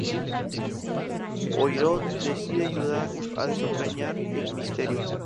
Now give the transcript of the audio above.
Poirot decide ayudar a desentrañar el misterio.